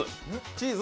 チーズ。